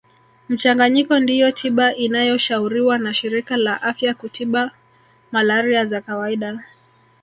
Mchanganyiko ndiyo tiba inayoshauriwa na shirika la afya kutiba malaria za kawaida